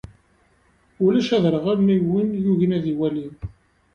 Ulac aderɣal nnig n win yugin ad iwali.